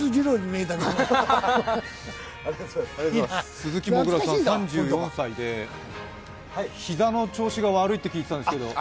鈴木もぐらさん、３４歳で膝の調子が悪いって聞いてましたが。